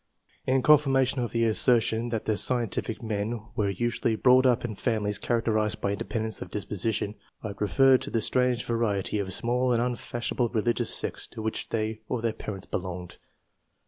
In confirmation of the assertion that the scien tific men were usually brought up in families characterized by independence of disposition, I would refer to the strange variety of small and unfashionable religious sects to which they or their parents belonged.